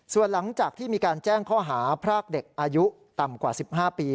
ส่วนหลังจากที่มีการแจ้งข้อหาพรากเด็กอายุต่ำกว่า๑๕ปี